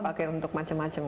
dipakai untuk macam macam